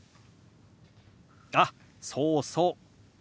あっそうそう。